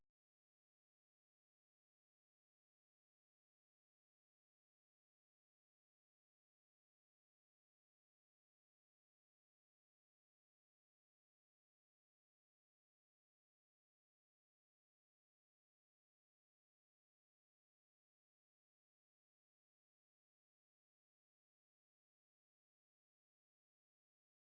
แข่งหน้าต้นมือดายเปิบเป็นบริจาคฯ